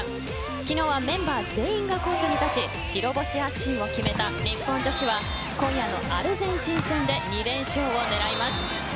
昨日はメンバー全員がコートに立ち白星発進を決めた日本女子は、今夜のアルゼンチン戦で２連勝を狙います。